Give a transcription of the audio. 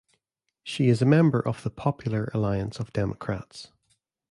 She is a member of the Popular Alliance of Democrats.